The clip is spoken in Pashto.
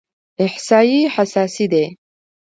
احصایې حساسې دي.